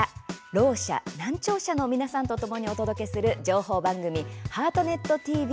ろう者、難聴者の皆さんとともにお届けする情報番組「ハートネットＴＶ」